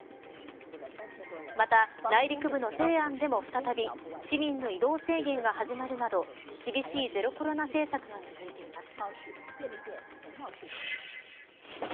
また内陸部の西安でも再び市民の移動制限が始まるなど厳しいゼロコロナ政策が続いています。